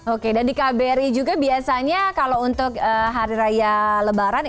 oke dan di kbri juga biasanya kalau untuk hari raya lebaran